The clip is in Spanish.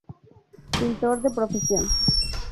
Pintor de profesión.